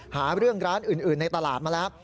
หาเรื่องร้านอื่นในตลาดมาแล้ว